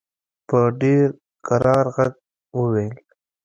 په ډېر کرار ږغ وویل.